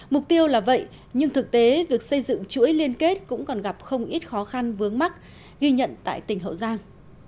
mục tiêu là vậy nhưng thực tế việc xây dựng chuỗi liên kết cũng còn gặp không ít khó khăn vướng mắt ghi nhận tại tỉnh hậu giang